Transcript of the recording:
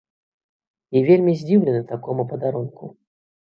І вельмі здзіўлены такому падарунку.